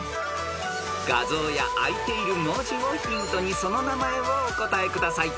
［画像やあいている文字をヒントにその名前をお答えください］